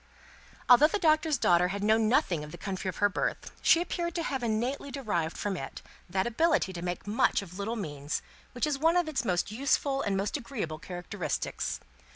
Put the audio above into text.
Although the Doctor's daughter had known nothing of the country of her birth, she appeared to have innately derived from it that ability to make much of little means, which is one of its most useful and most agreeable characteristics.